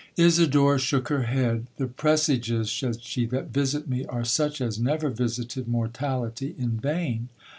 'Isidora shook her head. 'The presages,' said she, 'that visit me, are such as never visited mortality in vain.